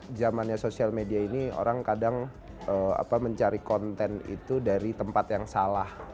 di zamannya social media ini orang kadang mencari konten itu dari tempat yang salah